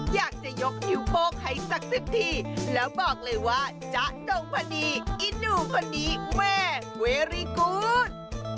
อยากจะยกนิ้วโป๊กให้สักสิบทีแล้วบอกเลยว่าจ๊ะต้องพอดีอิหนูพอดีแม่เวรี่กู๊ด